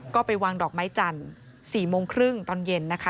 ก็ไปวางดอกไม้จันทร์๔โมงครึ่งตอนเย็นนะคะ